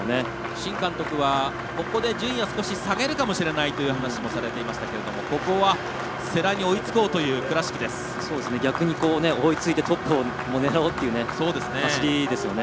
新監督は、ここで順位は少し下げるかもしれないという話をされていましたがここは、世羅に追いつこうという逆に追いついてトップを狙おうっていう走りですよね。